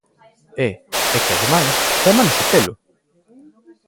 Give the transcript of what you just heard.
E é que, ademais, tómanos o pelo.